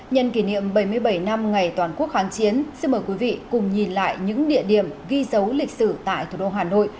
nhân kỷ niệm bảy mươi bảy năm ngày toàn quốc kháng chiến xin mời quý vị cùng nhìn lại những địa điểm ghi dấu lịch sử tại thủ đô hà nội